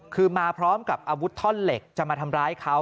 คือมาพร้อมกับอาวุธท่อนเหล็กจะมาทำร้ายเขา